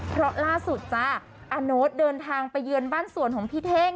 เพราะล่าสุดจ้าอาโน๊ตเดินทางไปเยือนบ้านสวนของพี่เท่ง